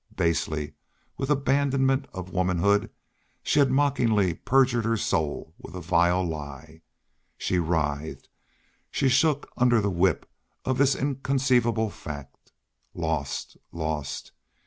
Basely, with an abandonment of womanhood, she had mockingly perjured her soul with a vile lie. She writhed, she shook under the whip of this inconceivable fact. Lost! Lost!